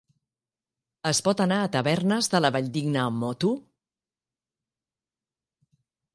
Es pot anar a Tavernes de la Valldigna amb moto?